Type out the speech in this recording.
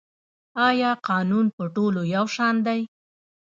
آیا قانون په ټولو یو شان دی؟